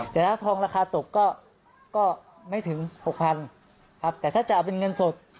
แต่ถ้าทองราคาตกก็ไม่ถึงหกพันครับแต่ถ้าจะเอาเป็นเงินสด